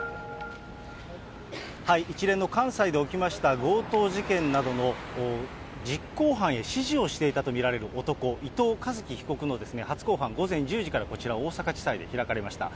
一連の関西で起きました強盗事件などの実行犯へ指示をしていたと見られる男、伊藤一輝被告のですね、初公判、午前１０時からこちら、大阪地裁で開かれました。